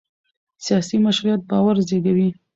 سیاسي مشروعیت باور زېږوي